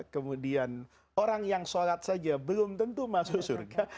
kemudian orang yang sholat saja belum tentu masuk surga